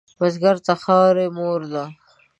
بزګر ته خاوره مور ده